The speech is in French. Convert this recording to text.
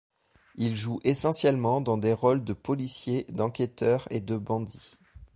Il joue essentiellement dans des rôles de policiers, d'enquêteur et de bandits.